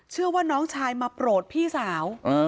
เชื่อว่าน้องชายมาโปรดพี่สาว